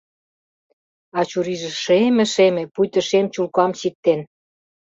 А чурийже шеме-шеме, пуйто шем чулкам чиктен.